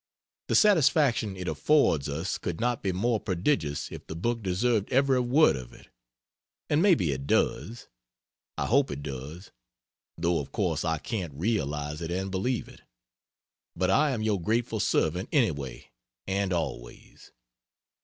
The satisfaction it affords us could not be more prodigious if the book deserved every word of it; and maybe it does; I hope it does, though of course I can't realize it and believe it. But I am your grateful servant, anyway and always.